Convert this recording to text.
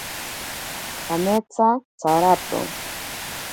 Kametsa tsarato.